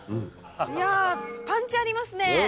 いやパンチありますね。